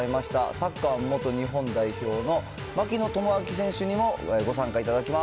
サッカー元日本代表の槙野智章選手にもご参加いただきます。